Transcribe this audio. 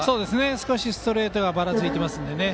少しストレートがばらついていますので。